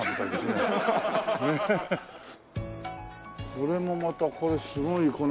これもまたこれすごいこの。